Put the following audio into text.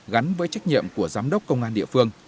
gắn với trách nhiệm của giám đốc công an địa phương